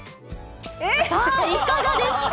さあ、いかがですか。